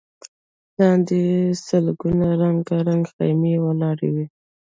لاندې سلګونه رنګارنګ خيمې ولاړې وې.